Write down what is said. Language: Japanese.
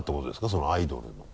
そのアイドルの。